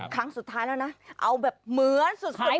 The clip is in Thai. ครั้งสุดท้ายแล้วนะเอาแบบเหมือนสุด